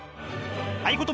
合言葉は